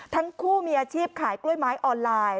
ทั้งคู่มีอาชีพขายกล้วยไม้ออนไลน์